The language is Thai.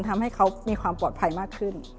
ทำให้เขามีความปลอดภัยมากขึ้น